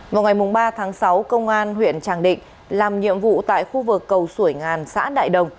vào ngày ba tháng sáu công an huyện tràng định làm nhiệm vụ tại khu vực cầu xui ngàn xã đại đồng